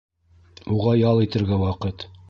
Уға ял итергә ваҡыт